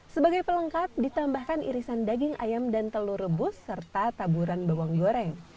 sebagai pelengkap ditambahkan irisan daging ayam dan telur rebus serta taburan bawang goreng